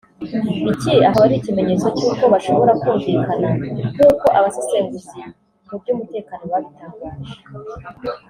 Iki akaba ari ikimenyetso cy’uko bashobora kumvikana nk’uko abasesenguzi mu by’umutekano babitangaje